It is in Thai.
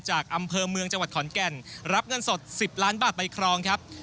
จากอำเภอเมืองจังหวัดขอนแก่นรับเงินสด๑๐ล้านบาทไปครองครับ